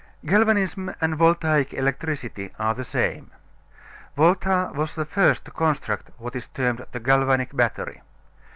Galvanism and voltaic electricity are the same. Volta was the first to construct what is termed the galvanic battery.